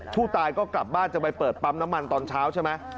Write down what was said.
ผู้ตายก็กลับบ้านจะไปเปิดปั๊มน้ำมันตอนเช้าใช่ไหม